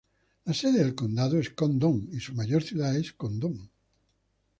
La sede del condado es Condon, y su mayor ciudad es Condon.